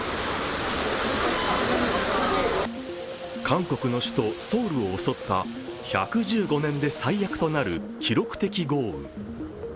韓国の首都ソウルを襲った１１５年で最悪となる記録的豪雨。